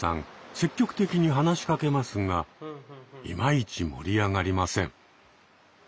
積極的に話しかけますがいまいち盛り上がりません。